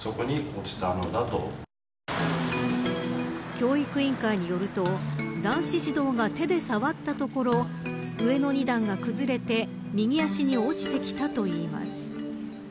教育委員会によると男子児童が手で触ったところ上の２段が崩れて右足に落ちてきたといいます。